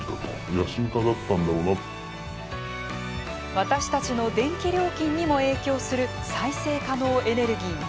私たちの電気料金にも影響する再生可能エネルギー。